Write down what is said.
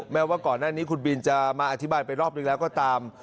แม้ว่าก่อนหน้านี้คุณบินจะมาอธิบายไปรอบหนึ่งแล้วก็ตาม